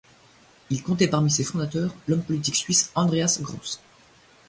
Il comptait parmi ses fondateurs l'homme politique suisse Andreas Gross.